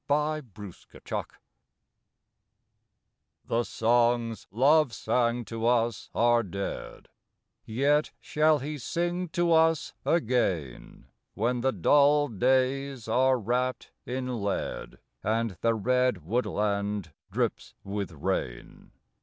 CONCLUSION The songs Love sang to us are dead: Yet shall he sing to us again, When the dull days are wrapped in lead, And the red woodland drips with rain.